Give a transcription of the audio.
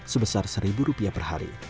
sebesar seribu rupiah per hari